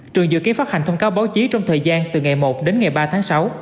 trường dự kiến phát hành thông cáo báo chí trong thời gian từ ngày một đến ngày ba tháng sáu